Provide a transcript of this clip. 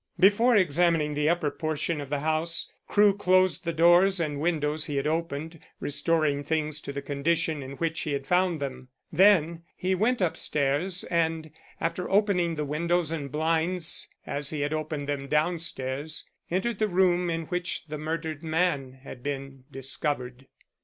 Before examining the upper portion of the house Crewe closed the doors and windows he had opened, restoring things to the condition in which he had found them. Then he went upstairs, and, after opening the windows and blinds as he had opened them downstairs, entered the room in which the murdered man had been discovered.